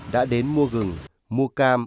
đã đến mua rừng mua cam